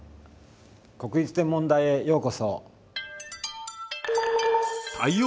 国立天文台へようこそ。